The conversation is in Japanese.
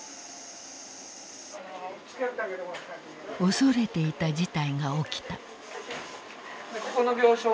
恐れていた事態が起きた。